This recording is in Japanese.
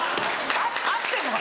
「合ってんのか？